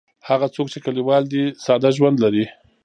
هغه څوک چې کلیوال دی ساده ژوند لري.